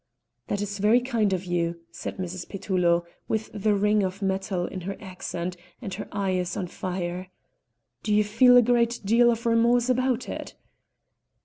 "That is very kind of you," said Mrs. Petullo, with the ring of metal in her accent and her eyes on fire. "Do you feel a great deal of remorse about it?"